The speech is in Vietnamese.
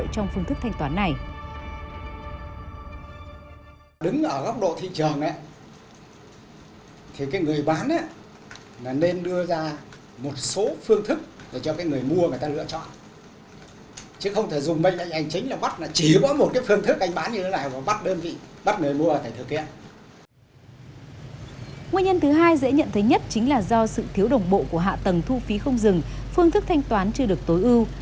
thứ hai dễ nhận thấy nhất chính là do sự thiếu đồng bộ của hạ tầng thu phí không dừng phương thức thanh toán chưa được tối ưu